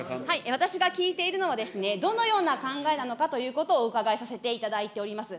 私が聞いているのは、どのような考えなのかということをお伺いさせていただいております。